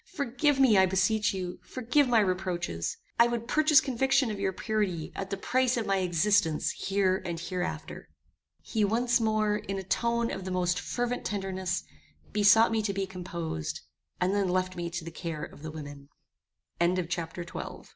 Forgive me, I beseech you, forgive my reproaches. I would purchase conviction of your purity, at the price of my existence here and hereafter." He once more, in a tone of the most fervent tenderness, besought me to be composed, and then left me to the